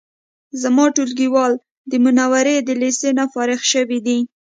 زما ټولګیوال د منورې د لیسې نه فارغ شوی دی